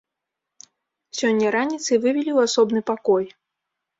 Сёння раніцай вывелі ў асобны пакой.